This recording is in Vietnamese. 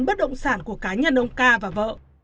bất động sản của cá nhân ông ca và vợ